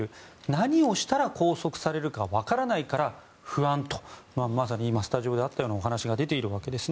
何をしたら拘束されるか分からないから不安だとまさに今、スタジオにあったお話が出ています。